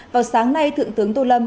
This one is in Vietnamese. vào sáng nay thượng tướng tô lâm